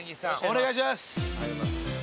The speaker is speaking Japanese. お願いします